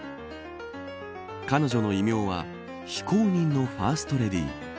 彼女の異名は非公認のファーストレディー。